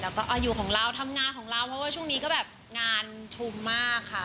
แล้วก็อยู่ของเราทำงานของเราเพราะว่าช่วงนี้ก็แบบงานชุมมากค่ะ